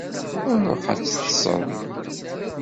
Ruḥ ad teṭṭseḍ!